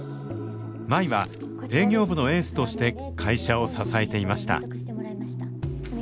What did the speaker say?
舞は営業部のエースとして会社を支えていました。